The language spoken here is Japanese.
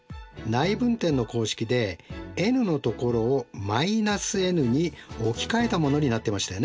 内分点の公式でｎのところを−ｎにおきかえたものになってましたよね。